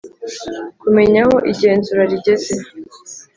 Kumenya aho igenzura rigeze